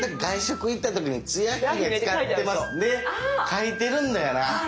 書いてるんだよな。